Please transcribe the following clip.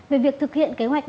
về việc thực hiện kế hoạch